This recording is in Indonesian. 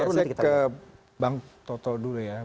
saya ke bang toto dulu ya